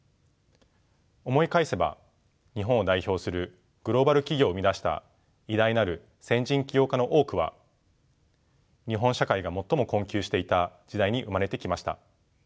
思い返せば日本を代表するグローバル企業を生み出した偉大なる先人起業家の多くは日本社会が最も困窮していた時代に生まれてきました。